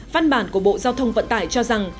văn bản của bộ giao thông vận tải cho rằng